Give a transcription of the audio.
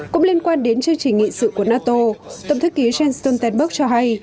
cũng liên quan đến chương trình nghị sự của nato tổng thư ký jens stoltenberg cho hay